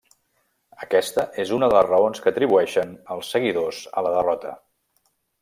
Aquesta és una de les raons que atribueixen els seguidors a la derrota.